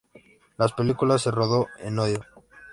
La película se rodó en Ohio.